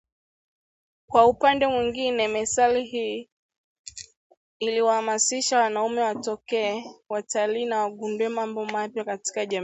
Kwa upande mwingine methali hii iliwahamasisha wanaume watokee, watalii na wagundue mambo mapya katika jamii